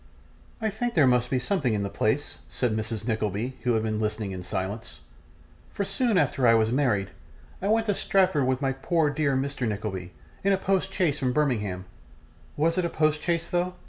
'I think there must be something in the place,' said Mrs. Nickleby, who had been listening in silence; 'for, soon after I was married, I went to Stratford with my poor dear Mr. Nickleby, in a post chaise from Birmingham was it a post chaise though?